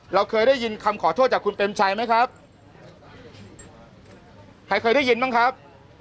เราเคยได้ยินคำขอโทษจากคุณเปรมชัยไหมครับใครเคยได้ยินบ้างครับ